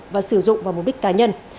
và sử dụng vào mục đích cá nhân